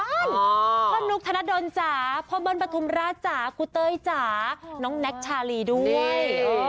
พะนุกธนดลจ๋าพ่อเบิร์นประธุมราชจ๋ากูเตยจ๋าน้องแน็กชาลีด้วย